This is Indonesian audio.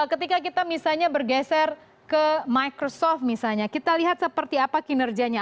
ketika kita misalnya bergeser ke microsoft misalnya kita lihat seperti apa kinerjanya